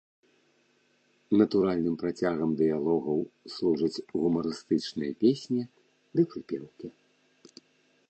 Натуральным працягам дыялогаў служаць гумарыстычныя песні ды прыпеўкі.